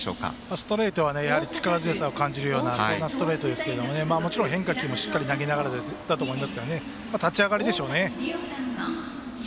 ストレートは力を感じるようなストレートですがもちろん変化球もしっかり投げながらだと思いますが立ち上がりでしょうね。